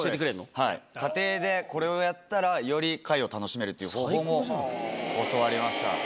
はい家庭でこれをやったらより貝を楽しめるという方法も教わりました。